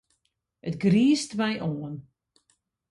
It griist my oan.